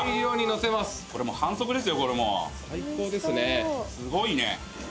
すごいね。